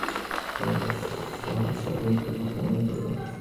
সহসা মৃতের কথা মনে পড়ল।